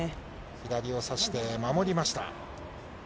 左を差して守りました。